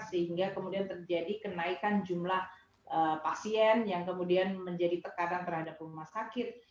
sehingga kemudian terjadi kenaikan jumlah pasien yang kemudian menjadi tekanan terhadap rumah sakit